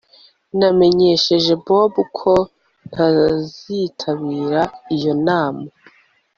Namenyesheje Bobo ko ntazitabira iyo nama